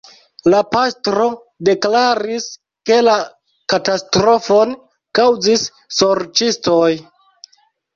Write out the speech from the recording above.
La pastro deklaris, ke la katastrofon kaŭzis sorĉistoj.